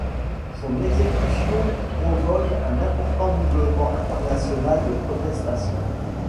Son exécution provoque un important mouvement international de protestation.